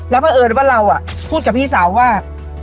เพราะเอิญว่าเราพูดกับพี่สาวว่า